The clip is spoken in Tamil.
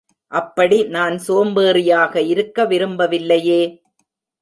அப்படி நான் சோம்பேறியாக இருக்க விரும்பவில்லையே!